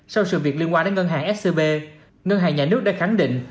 sau sự việc liên quan đến ngân hàng scb ngân hàng nhà nước đã khẳng định